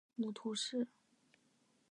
母屠氏。